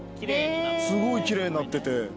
すごい奇麗になってて。